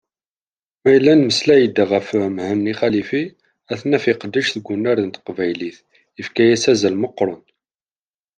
Ma yella nemmeslay-d ɣef Mhenni Xalifi, ad t-naf iqeddec deg unnar n teqbaylit, yefka-as azal meqqṛen.